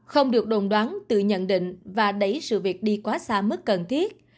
không được đồn đoán từ nhận định và đẩy sự việc đi quá xa mức cần thiết